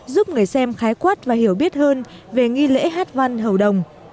giúp người xem khái quát và hiểu biết hơn về nghi lễ hát văn hầu đồng